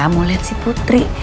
mau liat si putri